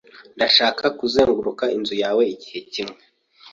Ndashaka kuzenguruka inzu yawe igihe kimwe.